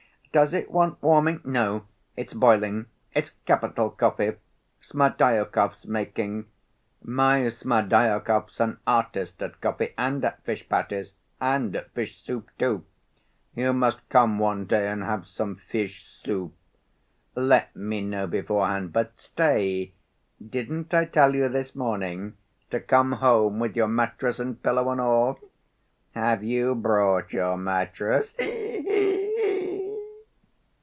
Does it want warming? No, it's boiling. It's capital coffee: Smerdyakov's making. My Smerdyakov's an artist at coffee and at fish patties, and at fish soup, too. You must come one day and have some fish soup. Let me know beforehand.... But, stay; didn't I tell you this morning to come home with your mattress and pillow and all? Have you brought your mattress? He he he!"